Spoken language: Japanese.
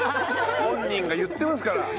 本人が言ってますから。